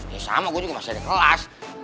ya sama gue juga masih ada kelas